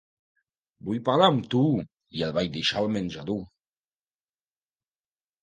"Vull parlar amb tu", i el vaig deixar al menjador.